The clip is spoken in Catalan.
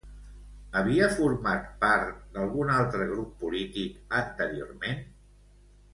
Havia format part d'algun altre grup polític anteriorment?